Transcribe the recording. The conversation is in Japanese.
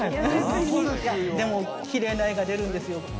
◆でもきれいな絵が出るんですよ。